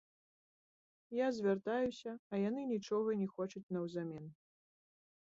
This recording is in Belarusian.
Я звяртаюся, а яны нічога не хочуць наўзамен.